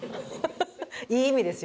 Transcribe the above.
ハハハいい意味ですよ。